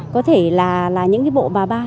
có thể là những cái bộ bà ba